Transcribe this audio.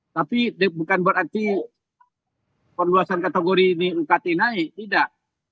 tapi bukan berarti perluasan kategori ini ukt naik tidak